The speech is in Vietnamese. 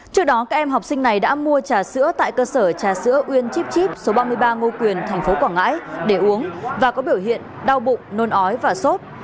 trước đó các em học sinh này đã mua trà sữa tại cơ sở trà sữa uyên chipchip số ba mươi ba ngô quyền tp quảng ngãi để uống và có biểu hiện đau bụng nôn ói và sốt